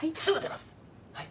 はい。